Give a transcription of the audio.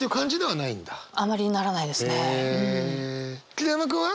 桐山君は？